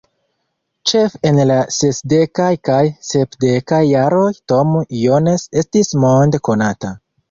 Ĉefe en la sesdekaj kaj sepdekaj jaroj Tom Jones estis monde konata.